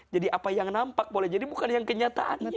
jadi apa yang nampak boleh jadi bukan yang kenyataannya